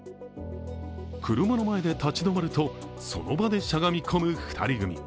車の前で立ち止まると、その場でしゃがみ込む２人組。